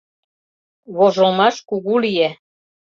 Вожылмаш кугу лие.